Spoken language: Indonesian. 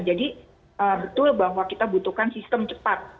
nah jadi betul bahwa kita butuhkan sistem cepat